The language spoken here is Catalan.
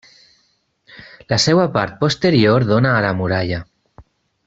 La seva part posterior dona a la muralla.